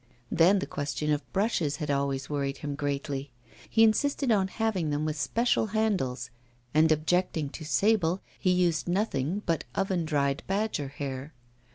Then the question of brushes had always worried him greatly; he insisted on having them with special handles; and objecting to sable, he used nothing but oven dried badger hair.